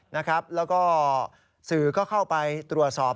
แล้วก็สื่อก็เข้าไปตรวจสอบ